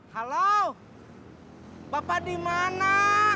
halo bapak dimana